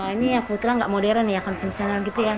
ini ya putra nggak modern ya konvensionalnya